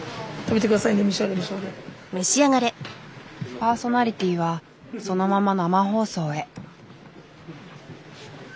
パーソナリティーはそのまま生放送へ。